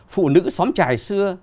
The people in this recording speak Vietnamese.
phụ nữ xóm trài xưa